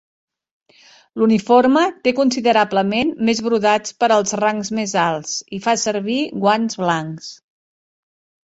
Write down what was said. L'uniforme té considerablement més brodats per als rangs més alts i fa servir guants blancs.